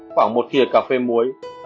khoảng một thịa cà phê muối